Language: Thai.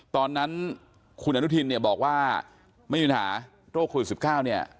ตอนนั้นคุณอนุทินบอกว่าไม่ยุนหาโรคโรควิด๑๙